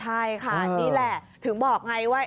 ใช่ค่ะนี่แหละถึงบอกไงว่า